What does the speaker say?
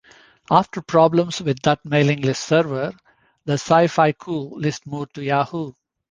After problems with that mailing list server, the scifaiku list moved to Yahoo!